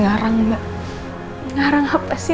bolosan rasa kau itu yang sedang baru ketutupi diriku